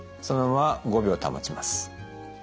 そのまま５秒保ちます。